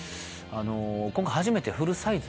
今回初めてフルサイズ。